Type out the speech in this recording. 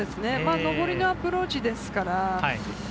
のぼりのアプローチですから。